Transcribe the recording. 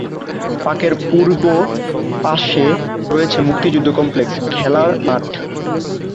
পার্কের পূর্ব পাশে রয়েছে মুক্তিযুদ্ধ কমপ্লেক্স, খেলার মাঠ।